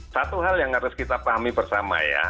satu hal yang harus kita pahami bersama ya